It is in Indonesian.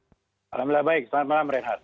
alhamdulillah baik selamat malam reinhardt